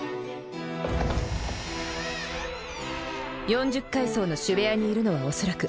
「四十階層の主部屋にいるのは恐らく」